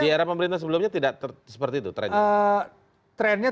di era pemerintah sebelumnya tidak seperti itu trennya